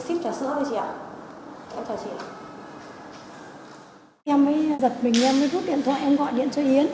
em mới giật mình em mới rút điện thoại em gọi điện cho yến